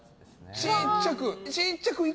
ちっちゃく